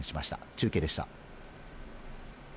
中継でした。